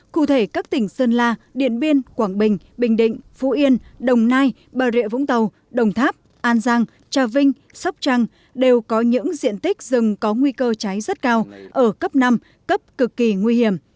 cụ thể các tỉnh sơn la điện biên quảng bình bình định phú yên đồng nai bà rịa vũng tàu đồng tháp an giang trà vinh sóc trăng đều có những diện tích rừng có nguy cơ cháy rất cao ở cấp năm cấp cực kỳ nguy hiểm